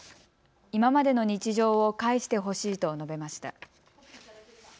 今までの日常を返してほしいと述べました。